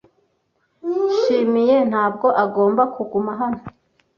Nshimiye ntabwo agomba kuguma hano.